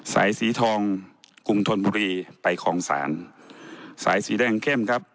สายสีทองกรุงธนบุรีไปคลองศาลสายสีแดงเข้มครับ